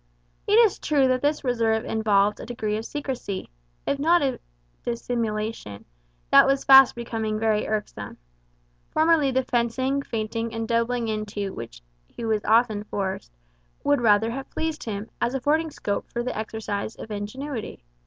It is true that this reserve involved a degree of secrecy, if not of dissimulation, that was fast becoming very irksome. Formerly the kind of fencing, feinting, and doubling into which he was often forced, would rather have pleased him, as affording for the exercise of ingenuity.